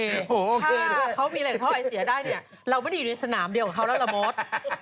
ถ้าเขามีอะไรกับท่อไอเสียได้เนี่ยเราไม่ได้อยู่ในสนามเดียวกับเขาแล้วล่ะมด